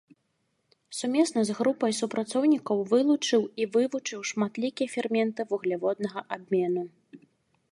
Сумесна з групай супрацоўнікаў вылучыў і вывучыў шматлікія ферменты вугляводнага абмену.